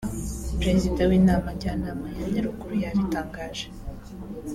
Perezida w’inama Njyanama ya Nyaruguru yabitangaje